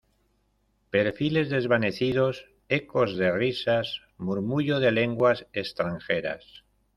perfiles desvanecidos, ecos de risas , murmullo de lenguas extranjeras